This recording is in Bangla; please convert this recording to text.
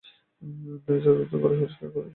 নীরজা রুদ্ধ গলা পরিষ্কার করে নিয়ে উত্তর দিলে, এসো।